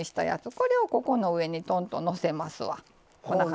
これを、ここの上にドンとのせますわ。